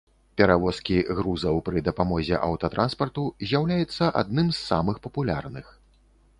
Перавозкі грузаў пры дапамозе аўтатранспарту з'яўляецца адным з самых папулярных.